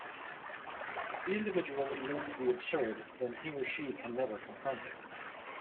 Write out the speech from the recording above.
If the individual eludes the Absurd, then he or she can never confront it.